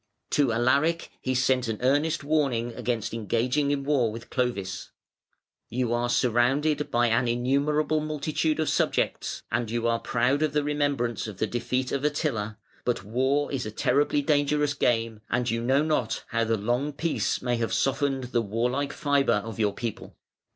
To Alaric he sent an earnest warning against engaging in war with Clovis: "You are surrounded by an innumerable multitude of subjects, and you are proud of the remembrance of the defeat of Attila, but war is a terribly dangerous game, and you know not how the long peace may have softened the warlike fibre of your people".